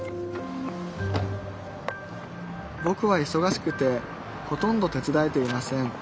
ぼくはいそがしくてほとんど手伝えていません